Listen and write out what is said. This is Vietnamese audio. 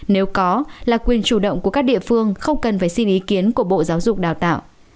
nếu có là quyền chủ động của các địa phương không cần phải xin ý kiến của bộ giáo dục đào tạo